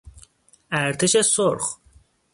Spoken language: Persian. ارتش سرخ